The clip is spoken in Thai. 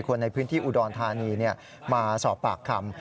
คนในพื้นที่อุดรธานีมาสอบปากคำ